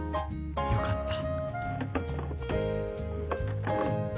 よかった。